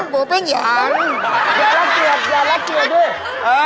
อย่ารักเกลียดอย่ารักเกลียดว่ะ